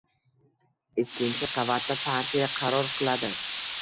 Ikkinchi qavatda partiya qaror qiladi.